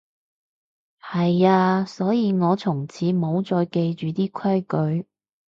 係啊，所以我從此無再記住啲規矩